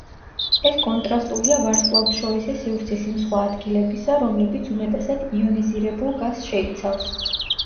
ეს კონტრასტულია ვარსკვლავთშორისი სივრცის იმ სხვა ადგილებისა, რომლებიც უმეტესად იონიზირებულ გაზს შეიცავს.